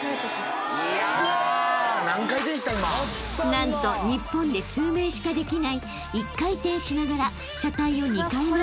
［何と日本で数名しかできない１回転しながら車体を２回回す大技を披露］